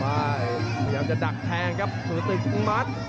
พยายามจะดักแทงกับสู่ตึกรุมัส